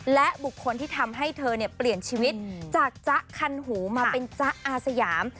และบุคคลที่ทำให้เธอเปลี่ยนชีวิตจากจ๊ะคันหูมาเป็นจ๊ะอาสยาม